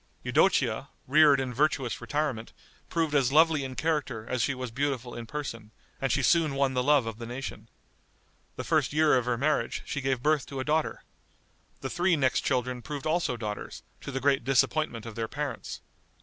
Eudocia, reared in virtuous retirement, proved as lovely in character as she was beautiful in person, and she soon won the love of the nation. The first year of her marriage, she gave birth to a daughter. The three next children proved also daughters, to the great disappointment of their parents.